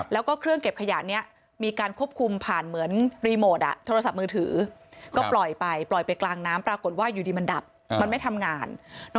แล้วก็เครื่องเก็บขยะนี้มีการควบคุมผ่านเหมือนรีโมทโทรศัพท์มือถือก็ปล่อยไปปล่อยไปกลางน้ำปรากฏว่าอยู่ดีมันดับมันไม่ทำงาน